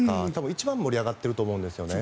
一番盛り上がっていると思うんですね。